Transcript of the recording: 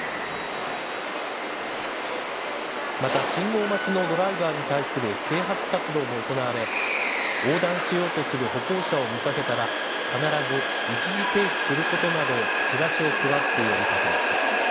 また、信号待ちのドライバーに対する啓発活動も行われ横断しようとする歩行者を見かけたら必ず、一時停止することなどをちらしを配って呼びかけました。